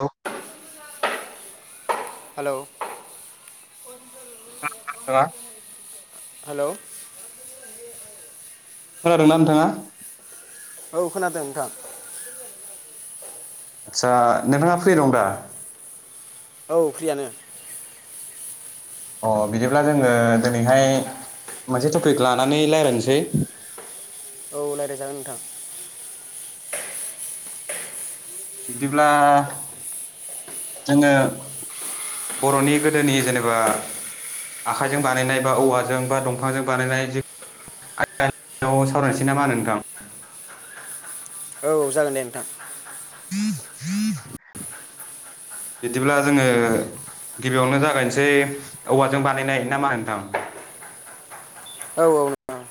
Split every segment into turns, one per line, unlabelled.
औ
हेलोव
[inaudible] हा
हेलोव
खोनादोंना नोंथाङा
औ खोनादों नोंथां
आदसा नोंथाङा फ्रि दं दा
औ फ्रियानो
अ बिदिब्ला जोंङो दिनैहाय मोनसे टपिक लानानै रायलायसै
औ रायलायजागोन नोंथां
बिदिब्ला जोंङो बरनि गोदोनि जेनेबा आखाइजों बानायनाय बा औवाजों बा दंफांजों बानायनाय जे [inaudible] सावरायनोसै नामाहोनो नोंथां
औ जागोन दे नोंथां
बिदिब्ला जोंङो गिबियावनो जागायसै औवाजों बानायनाय नामा होनो नोंथां
औ औ औ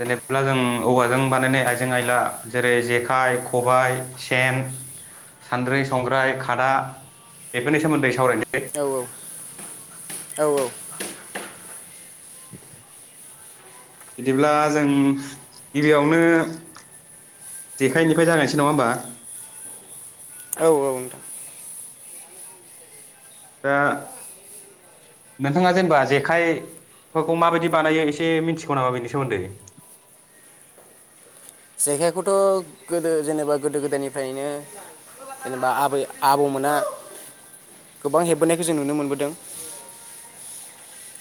जेनेब्ला जों औवाजों बानायनाय आइजें आयला जेरै जेखाइ खबाय सेन सान्द्रि संग्राय खादा बेफोरनि सोमोन्दै सावरायनोसै
औ औ औ
बिदिब्ला जों गिबियावनो जेखायनिफ्राय जागायसै नङा होमबा
औ औ
दा नोंथाङा जेनेबा जेखाइ फोरखौ माबायदि बानायो एसे मिथिगौ नामा बेनि सोमोन्दै
जेखाइखौथ गोदो जेनेबा गोदो गोदायनिफ्रायनो जेनेबा आबै आबौमोनहा गोबां हेबबोनायखौ जों नुनो मोनबोदों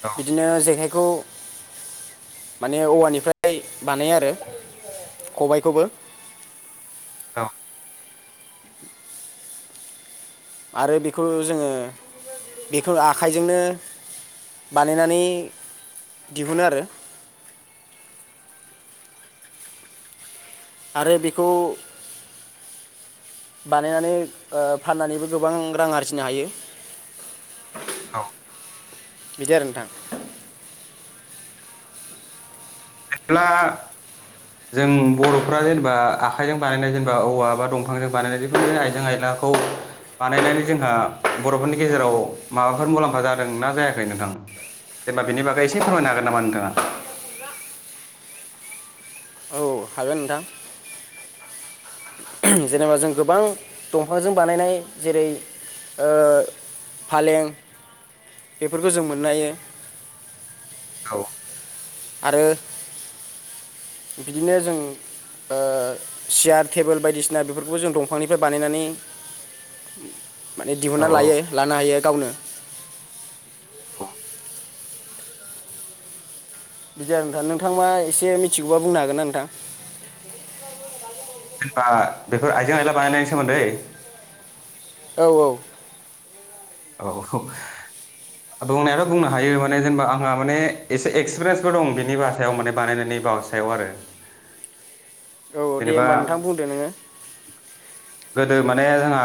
औ
बिदिनो जेखायखौ
[inaudible] [unintelligible]
माने औवानिफ्राय बानायो आरो खबायखौबो
औ
आरो बेखौ जोंङो बेखौ आखाइजोंनो बानायनानै दिहुनो आरो आरो बेखौ बानायनानै ओ फाननानै
औ
बिदि आरो नोंथां
बिदिब्ला जों बर'फ्रा जेनेबा आखाइजों बानायनाय जेनेबा औवा बा दंफांजों बानायनाय जिखुनु आइजें आइला खौ बानायनानै जोंहा बर'फोरनि गेजेराव माबाफोर मुलाम्फा जादों ना जायाखै नोंथां जेनेबा बिनि बागै एसे फोरमायनो हागोन नामा नोंथाङा?
औ हागोन नोंथां जेनेबा जों गोबां दंफांजों बानायनाय जेरै ओ फालें बेफोरखौ जों मोननो हायो
औ
आरो बिदिनो जों ओ सियार, टेबोल बायदिसिना बेफोरखौ जों दंफांनिफ्राय बानायनानै। माने
औ
दिहुनना
औ
लायो लानो हायो गावनो।
[unintelligible]
बिदि आरो नोंथां नोंथां मा एसे मिथिगौबा बुंनो हागोनना नोंथां।
जेनेबा बेफोर आइजें-आयला बानायनायनि सोमोन्दै।
औ-औ।
औ। दंनायाथ' बुंनो हायो माने जेनेबा आंहा माने एसे एक्सपिरियेन्सबो दं बिनि बा सायाव माने बानायनायनि। बा सायाव आरो
औ दे
जेनेबा
होमबा नोंथां बुंदो नोङो।
[inaudible] गोदो माने जोंहा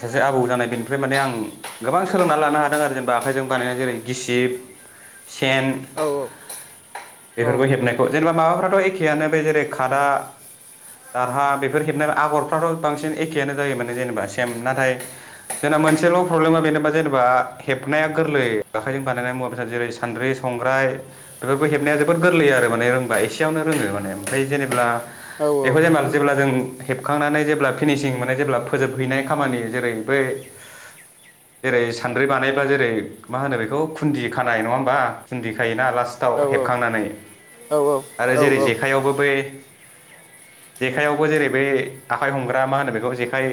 सासे आबौ जानाय बेनिफ्राय माने आं गोबां सोलोंना लानो हादों आरो जेनेबा आखाइजों बा नायनाय जेरै गिसिब, सेन।
औ औ
बेफोरखौ हेबनायखौ जेनेबा माबाफ्राथ' एखेयानो बे जेरै खादा। दारहा बेफोर हेबनाय आगरफ्राथ' बांसिन एखेआनो जायो माने जेनेबा सेम नाथाय जेने बा मोनसेल' प्रब्लेमा बेनोबा जेनेबा हेबनाया गोरलै आखाइजों बानायनाय मुवा बेसाद जेरै सान्द्रि, संग्रा फाय बेफोरबो हेबनाया जोबोर गोरलै आरो माने रोंबा एसेयावनो रोङो माने ओमफ्राय जेनेब्ला।
औ
बेखौ जेनेबा जेब्ला जों हेबखांनानै जेब्ला पिनिसिं मोन जेब्ला फोजोबहैनाय खामानि जेरै बै जेरै सानद्रि बानायबा जेरै मा होनो बेखौ खुन्दि खानाय नङा होमबा खुन्दि खायोना लास्ट टाव
औ
हेबखांनानै
औ
आरो जेरै
औ औ
जेखाइयावबो बै जेखाइआवबो जेरै बे आखाइ हमग्रा मा होनो बेखौ जेखाइ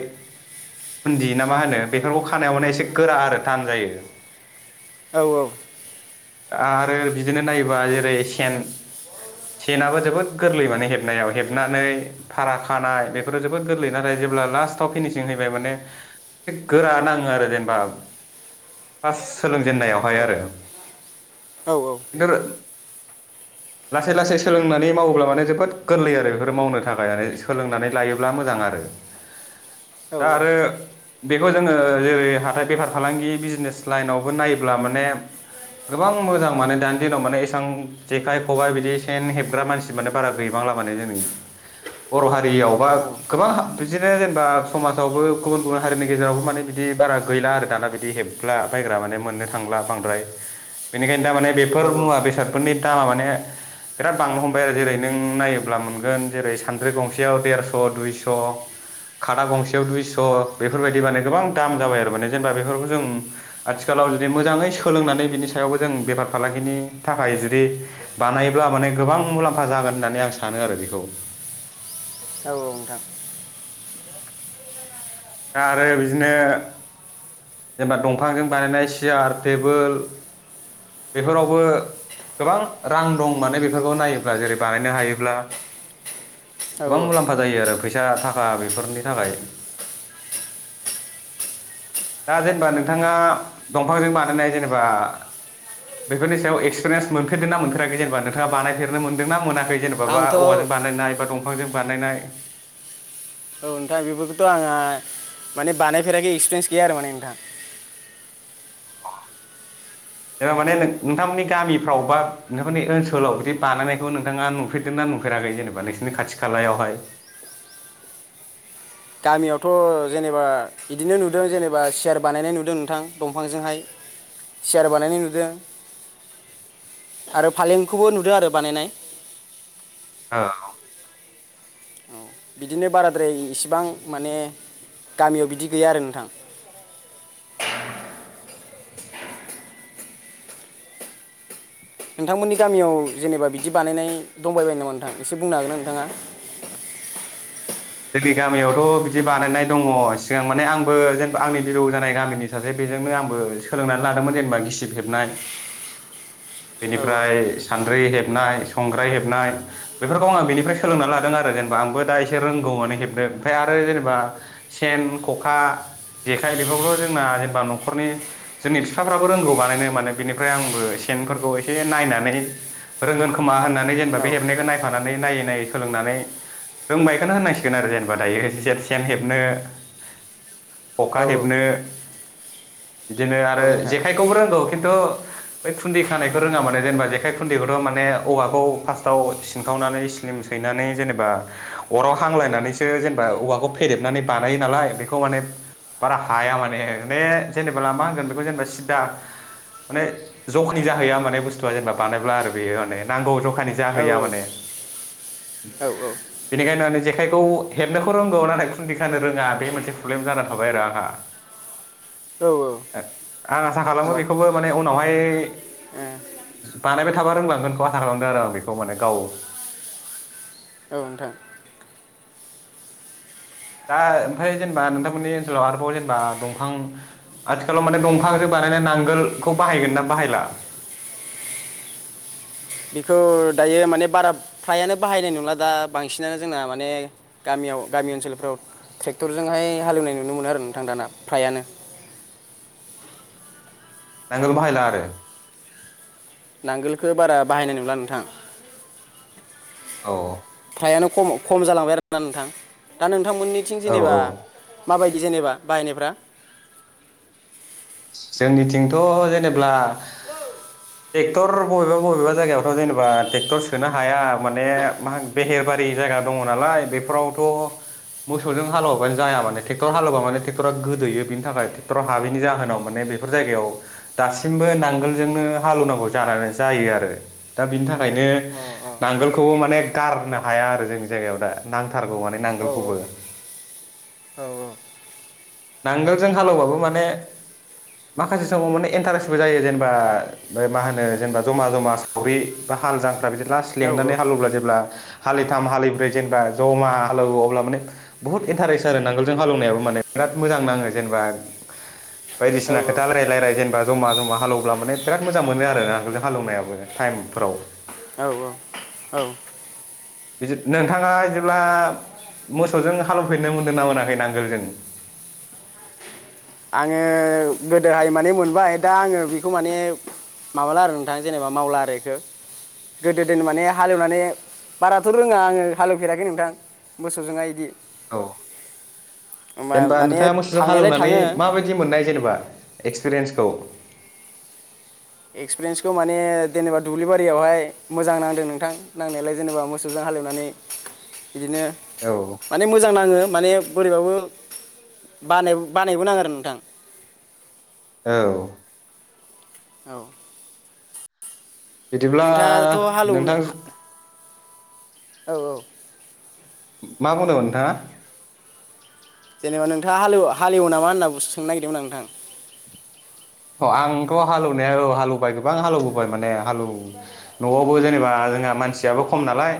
बुन्दि ना मा होनो बेफोरखौ खानायाव माने एसे गोरा आरो थान जायो।
औ-औ।
आ-आरो बिदिनो नायोबा जेरै सेन। सेनाबो जोबोद गोरलै माने हेबनायाव हेब नानै फारा खानाय बेफोरो जोबोद गोरलै नाथाय जेब्ला लास्टाव फिनिसिं हैबाय माने एसे गोरा नाङो आरो जेनेबा फार्स्ट सोलोंजेननायावहाय आरो। [unintelligible] लासै लासै सोलोंनानै मावोब्ला माने जोबोद गोरलै आरो। बेखौ मावनो थाखाय सोलोंनानै लायोब्ला मोजां आरो दा आरो। बेखौ जोङो जेरै हाथाय बेफार फालांगि बिजनेस लाइनावबो नायोब्ला माने गोबां मोजां माने दानि दिनाव माने एसेबां जेखाइ, खबाइ बिदि सेन हेबग्रा मानसि माने बारा गैबां ला माने जोंनि। बर' हारियाव बा
औ
गोबां हा बिदिनो जेनेबा समाजावबो गुबुन गुबुन हारिनि गेजेरावबो माने बिदि बारा गैला दाना बि हेबला बायग्रा माने मोननो थांला बांद्राय बेनिनोखाय दा माने बेफोर
औ औ
मुवा बेसादफोरनि दामा माने बिराद बांनो हमबाय आरो जेरै नों नायोब्ला मोनगोन जेरै सानद्रि गंसेयाव देरस' दुइस'। खादा गंसेयाव दुइस' बेफोरबायदि माने गोबां दाम जाबाय आरो माने जेनेबा बेफोरखौ जों आथिखाल लाव जुदि मोजाङै सोलोंनानै बिनि सायावबो जों बेफार फालांगिनि थाखाय जुदि बानायोबब्ला माने गोबां मुलाम्फा जागोन होननानै आं सानो आरो बेखौ।
औ-औ नोंथां।
दा आरो बिदिनो जेनेबा दंफांजों बानायनाय सियार टेबोल बेफोरावबो। गोबां रां दं माने बेफोरखौ नायोब्ला जेरै बानायनो हायोब्ला।
औ
गोबां
औ
मुलाम्फा जायो आरो फैसा थाखा बेफोरनि थाखाय। दा जेनेबा नोंथाङा दंफांजों बानायनाय जेनेबा। बेफोरनि सायाव एक्सपिरियेन्स मोनफेरदोंनाा मोनफेराखै जेनेबा नोंथाङा बानायफेरनो मोनदों ना मोना जेनबा बा
आंथ' औ
औवाजों बानायनाय बा दंफांजों बानायनाय।
औ नोंथाङा बेफोरखौथ' आंहा माने बानायफेराखै एक्सपिरियेन्स गैया आरो माने नोंथां
[unintelligible] माने नोंथांमोननि गामिफ्राव बा नोंथांमोननि ओनसोलाव बिदि बानायनायखौ नोंथाङा नुफेरदों ना? नुफेराखै जेनेबा नोंसोरनि खाथि खालायावहाय [inaudible]
गामियावथ' जेनेबा बिदिनो नुदों जेनेबा सियार बानायनाय नुदों नोंथां दंफांजोंहाय सेयार बानायनाय नुदों आरो फालेंखौबो नुदों आरो बानायनाय
औ
बिदिनो बाराद्राय इसिबां माने गामियाव बिदि गैया आरो नोंथां नोंथांमोननि गामियाव जेनेबा बिदि बानायनाय दंबायबाय नामा नोंथां एसे बुंनो हागोन ना नोंथाङा?
[inaudible] जोंनि गामियावथ' बिदि बानायनाय दङ सिगां माने आंबो जेनबा आंनि बिलौ जानाय गामिनि सासे बेजोंनो आंबो सोलोंनानै लादोंमोन जेनेबा गिसिब हेबनाय
औ
बेनिफ्राय सान्द्रि हेबनाय संग्राय हेबनाय बेफोरखौ आङो बेनिफ्राय सोलोंना लादों आरो जेनेबा आंबो दा एसे रों रोंगौ माने हेबनो आरो जेनेबा सेन खखा जेखाय बेखौबो' जोंना न'खरनि जोंनि बिफाफ्राबो रोंगौ बानायनो माने बिनिफ्राय आंबो सेनफोरखौ एसे नायनानै रोंगोन खोमा होननानै जेनेबा
औ
बे हेबनायखौ नायफानानै नायै नायै सोलोंनानै रोंबायखौनो होननान सिग गोन आरो जेनेबा दायो सेन हेबनो खखा
औ
हेबनो बिदिनो
औ
आरो
नोंथां
जेखाइखौबो रोंगौ खिन्थु बै खुन्दै खानायखौ रोङा माने जेनेबा जेखाय खुन्दैखौथ' माने औखौ फारस्तव सिनखावनानै स्लिम सैनानै जेनेबा अराव फांलायनानैसो जेनेबा औवाखौ फेदेबनानै बानायो नालाय बेखौ माने बारा हाया माने ने जेनेबा मा होनगोन बेखौ जेनेबा सिद्दा माने जखनि जाहैया माने बुस्थुआ जेनेबा बानायब्ला आरो बेयो माने नांगौ ज
औ
जाहैया माने
औ
बेनिखायनो जेखाइखौ हेबनोखौ रोंगौ नाथाय खुन्दि खानो रोङा बे मोनसे प्रब्लेम जाना थाबाय आरो आंहा
औ औ
आं आसा खालामो बेखौबो माने उनावहाय बानायबाय थाबा रोंलांगोनखौ आसा खालामदों आरो आं बेखौ माने गाव
औ नोंथां
दा ओमफ्राय जेनेबा नोंथांमोननि ओनसोलाव आरोबाव जेनेबा दंफां आथिखालाव माने दंफां जो बा [unintelligible] नांगोलखौ बाहायगोनना बाहायला?
बेखौ दायो माने बारा फ्रायानो बाहायनाय नंला दा बांसिनानो जोंना माने गामि गामियाव गामि ओनसोलफ्राव ट्रेक्टरजोंहाय हालेवनाय नुनो मोनो आरो नोंथां दाना फ्रायानो
नांगल बाहायला आरो
नांगोलखौ बारा बाहायनाय नंला नोंथां
औ
नायानो‌ खम खम जालांबाय आरोना नोंथां दा नोंथांमोननिथिं
औ
जेनेबा
औ
माबाय दि जेनेबा बाहायनायफ्रा
जोंनिथिंथ' जेनेब्ला टेक्टर बबेबा बबेबा जायगायावथ' जेनेबा टेक्टर सोनो हाया माने मा मोनो बेहेरबा बारि जायगा दंङ नालाय बेफोरावथ' मोसौजों हालेवाबानो जाया माने टेक्टर हालेवमाने टेक्टरा गोदोयो बेनि थाखाय टेक्टरा हाबैनि जाहोनाव माने बेफोर जायगायाव दासिमबो नांगोलजोंनो हालौवनांगौ जानांगो जायो आरो दा बेनि थाखायनो
अ
नांगोलखौबो माने गारनो हाया आरो जोंनि जायगायाव दा नांथारगौ माने
औ
[inaudible]
औ औ
नांगोलजों हालौवबाबो माने माखासे समाव माने इन्टारेस्टबो जायो जेनेबा मा होनो जेनेबा जमा जमा सावरि बा हाल जांख्रा बिदि लास्ट
औ
लेंनानै हालौवब्ला जेब्ला हालिथाम हालिब्रै जेनेबा जमा हालौवो अब्ला माने बुहुद इन्टारेस्ट आरो नांगोलजों हालौवनायाबो माने बिराद मोजां नांओ जेनेबा बायदिसिना
औ
खोथा रायलाय रामलाय जेनोबा ज'मा ज'मा हालौवब्ला माने बिराद मोजां मोनो आरो नांगोलजों हालौवनायाबो टाइम - फोराव [unintelligible]
औ औ
बिदिनो [inaudible] नोंथांआ जेब्ला मोसौ जों हालौवफेरनो मोनदों ना मोनाखै नांगोल जों
आंङो गोदोहाइ मानि मोनबाय दा आंङो बेखौ माने माबाला आरो नोंथां जेनेबा मावला आरो इखौ गोदो दोन माने हालेवनानै बाराथ' रोंङा आंङो हालेवफेराखै नोंथां मोसौजोंहाय इदि
औ
मा-
जेनेबा
माने
नोंथांङा मोसौजों
थांनायलाय
हालेवनानै
थाङो
माबाय दि मोननाय जेनिबा एक्सपिरेन्सखौ
एक्सपिरेन्सखौ माने जेनेबा दुब्लि बारियावहाय मोजां नांदों नोंथां नांनायालाय जेनेबा मोसौजों हाल एवनानै बिदिनो
औ
माने ओ मोजां नांङो माने बोरैबाबो बानायबो बानायबो नांङो आरो नोंथां
औ
औ
बिदिब्ला
नोंथांआथ' हालेवनो
नोंथां
औ औ
मा बुंदोंमोन नोंथांआ
जेनेबा नोंथांङा हालेवो हालेवो नामा होनना बुंनो सोंनो नागिरदोंमोन आं नोंथां
अ आंथ' हालौवनाया औ हालौवबाय गोबां हालौवबोबाय माने हालौव न'आवबो जेनेबा जोंहा मान [inaudible] सियाबो खम नालाय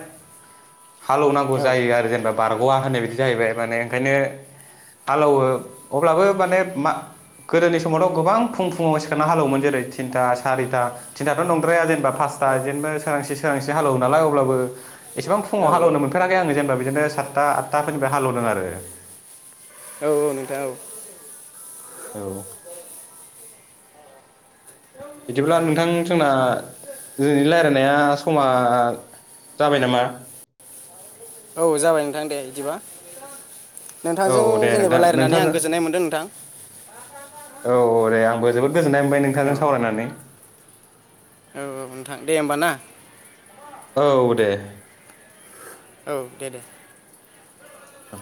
हालौवनांगौ
औ
जायो आरो जेनबा बार अ आं होननाय बायदि जाहैबाय माने ओंखायनो हालौवो अब्लाबो माने मा गोदोनि समावथ' गोबां फुं फुङाव सिखारना हालौवोमोन जेरै तिनथा सारिता थिनथाथ' नंद्राया जेनेबा पासता
औ
इदिनो जेनेबा सोरांसि सोरां सि हालौवो नालाय अब्लाबो एसेबां
औ
फुङाव हालौवनो मोनफेराखै आङो जेनेबा बिदिनो सातथा आठथाफोरनिफ्राय हालौवदों आरो [inaudible]
औ औ नोंथां औ
औ बिदिब्ला नोंथां जोंना दिनैनि रायलायनाया समा जाबाय नामा?
औ जाबाय नोंथां दे इदिबा
औ
नोंथांजों
दे
जेनेबा
नोंथां
रायलायनानै आं
नोंथांजों
गोजोननाय मोनदों नोंथां
औ औ दे आंबो जोबोद गोजोननाय मोनबाय
औ
नोंथांजों सावरायनानै
औ औ नोंथां दे होमबा ना।
औ दे।
औ दे दे।
औ।